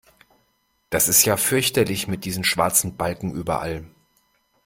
Das ist ja fürchterlich mit diesen schwarzen Balken überall!